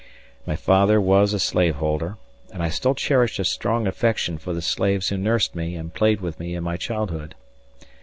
My father was a slaveholder, and I still cherish a strong affection for the slaves who nursed me and played with me in my childhood.